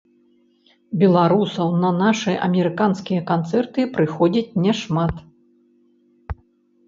Беларусаў на нашы амерыканскія канцэрты прыходзіць няшмат.